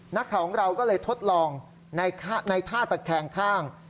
นักข่าวของเราก็เลยทดลองในท่าตะแคงข้าง